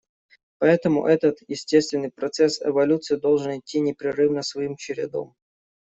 Поэтому этот естественный процесс эволюции должен идти непрерывно своим чередом.